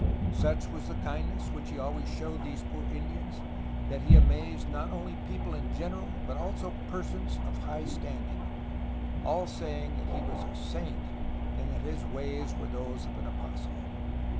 "Such was the kindness which he always showed these poor Indians that he amazed not only people in general but also persons of high standing, all saying that he was a saint and that his ways were those of an apostle.